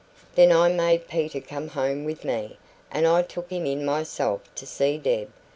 "Then I made Peter come home with me, and I took him in myself to see Deb.